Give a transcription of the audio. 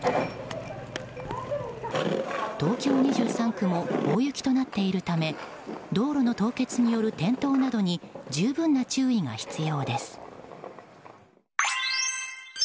東京２３区も大雪となっているため道路の凍結による転倒などに十分な注意が必要です。